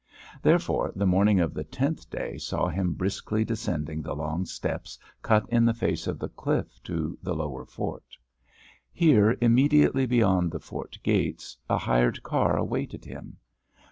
Therefore the morning of the tenth day saw him briskly descending the long steps cut in the face of the cliff to the lower fort. Here, immediately beyond the fort gates, a hired car awaited him.